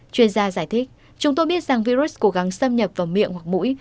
chuyên gia giải thích chúng tôi biết rằng virus cố gắng xâm nhập vào miệng hoặc mũi